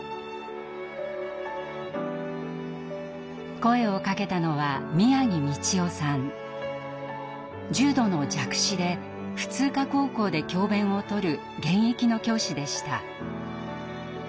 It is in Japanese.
声をかけたのは重度の弱視で普通科高校で教べんをとる現役の教師でした。